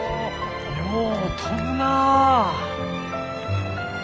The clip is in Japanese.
よう飛ぶなぁ。